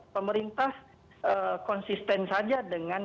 pemerintah konsisten saja dengan